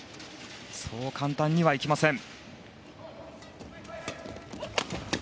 そう簡単にはいきません。